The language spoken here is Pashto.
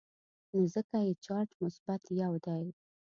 نو ځکه یې چارج مثبت یو دی.